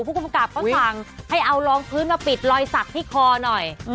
ผู้กำกับเขาสั่งให้เอารองพื้นมาปิดรอยสักที่คอหน่อย